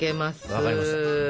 分かりました。